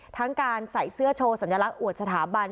ทั้งการใส่เสื้อโชว์สัญลักษณ์อวดสถาบัน